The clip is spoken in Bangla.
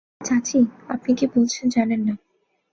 চাচি, আপনি কি বলছেন জানেন না।